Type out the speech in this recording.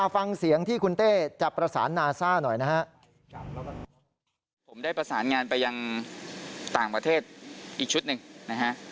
ฟังเสียงที่คุณเต้จะประสานนาซ่าหน่อยนะฮะผมได้ประสานงานไปยังต่างประเทศอีกชุดหนึ่งนะฮะ